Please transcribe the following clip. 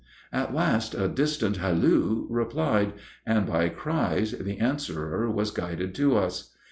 At last a distant halloo replied, and by cries the answerer was guided to us.